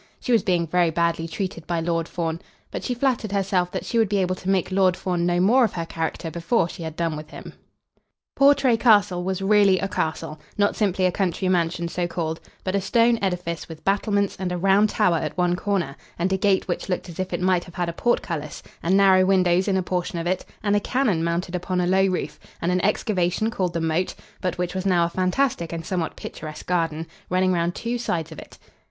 She was being very badly treated by Lord Fawn; but she flattered herself that she would be able to make Lord Fawn know more of her character before she had done with him. Portray Castle was really a castle, not simply a country mansion so called, but a stone edifice with battlements and a round tower at one corner, and a gate which looked as if it might have had a portcullis, and narrow windows in a portion of it, and a cannon mounted upon a low roof, and an excavation called the moat, but which was now a fantastic and somewhat picturesque garden, running round two sides of it.